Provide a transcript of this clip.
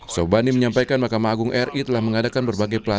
sobandi menyampaikan mahkamah agung ri telah mengadakan berbagai pelatihan